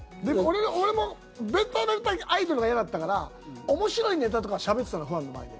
俺もベッタベタのアイドルが嫌だったから面白いネタとかをしゃべってたのファンの前で。